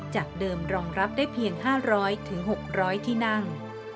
จากเดิมรองรับได้เพียง๕๐๐๖๐๐ที่นั่ง